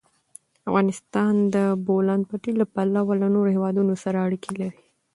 افغانستان د د بولان پټي له پلوه له نورو هېوادونو سره اړیکې لري.